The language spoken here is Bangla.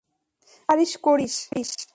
যা পারিস করিস।